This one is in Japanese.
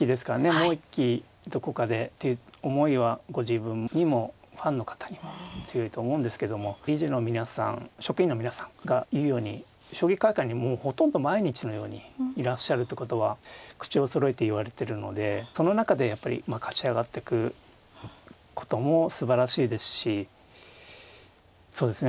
もう一期どこかでっていう思いはご自分にもファンの方にも強いと思うんですけども理事の皆さん職員の皆さんが言うように将棋会館にもうほとんど毎日のようにいらっしゃるということは口をそろえて言われてるのでその中でやっぱり勝ち上がっていくこともすばらしいですしそうですね